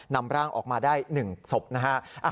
นำร่างออกมาได้๑ศพนะฮะ